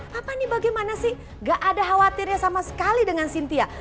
apa nih bagaimana sih gak ada khawatirnya sama sekali dengan cynthia